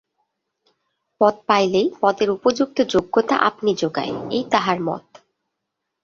পদ পাইলেই পদের উপযুক্ত যোগ্যতা আপনি জোগায় এই তাহার মত।